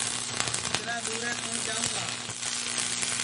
اِترا دُؔورے کُوٹؔ جاؤں گا